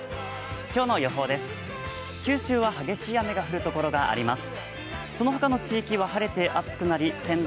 今日の予報です。